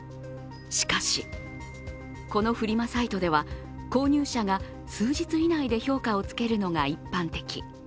しかし、このフリマサイトでは、購入者が数日以内で評価をつけるのが一般的。